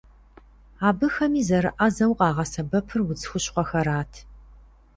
Абыхэми зэрыӏэзэу къагъэсэбэпыр удз хущхъуэхэрат.